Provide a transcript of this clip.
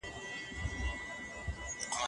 د څېړني پایلي باید په زغرده بیان سي.